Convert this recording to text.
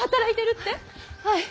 はい。